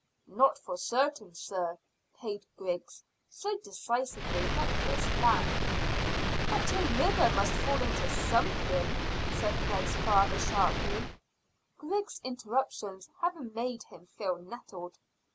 "Not for certain, sir," paid Griggs, so decisively that Chris laughed, "But a river must fall into something," said Ned's father sharply, Griggs' interruptions having made him feel nettled.